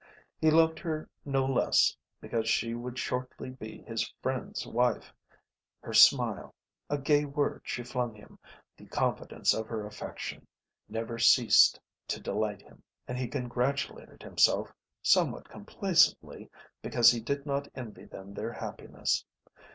He loved her no less because she would shortly be his friend's wife; her smile, a gay word she flung him, the confidence of her affection, never ceased to delight him; and he congratulated himself, somewhat complacently, because he did not envy them their happiness.